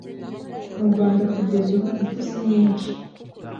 Mu Rwanda kugeza ubu impfu sinyinshi